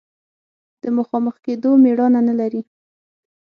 د مخامخ کېدو مېړانه نه لري.